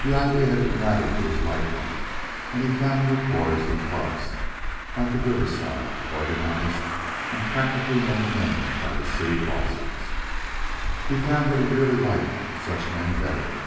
The idea had been rather to his liking, and he had found new quarters in clubs like the Riverside, organized and practically maintained by the city bosses. He found that he really liked such men better.